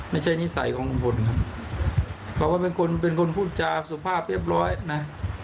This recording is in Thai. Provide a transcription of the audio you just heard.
นิสัยของลุงพลครับเขาก็เป็นคนเป็นคนพูดจาสุภาพเรียบร้อยนะ